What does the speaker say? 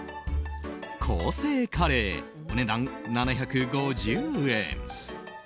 更生カレー、お値段７５０円。